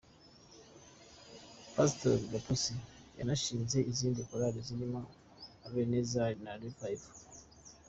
Pasiteri Gapusi yanashinze izindi korali zirimo Ebenezer na Revival.